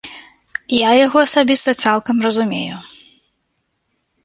Я яго асабіста цалкам разумею.